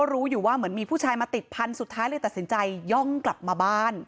รู้อยู่ว่าเหมือนมีผู้ชายมาติดพันธุ์สุดท้ายเลยตัดสินใจย่องกลับมาบ้าน